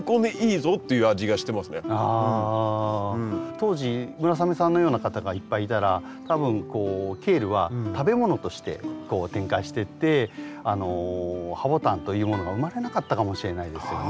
当時村雨さんのような方がいっぱいいたら多分こうケールは食べ物として展開してってハボタンというものが生まれなかったかもしれないですよね。